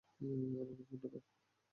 আমাকে ফোনটা দাও।